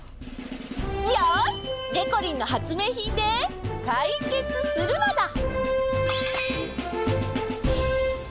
よしでこりんの発明品でかいけつするのだ。